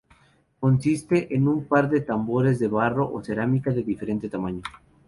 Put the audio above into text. Consiste en un par de tambores de barro o cerámica de diferente tamaño.